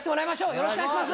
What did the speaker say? よろしくお願いします。